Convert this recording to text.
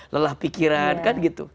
lelah pikiran kan gitu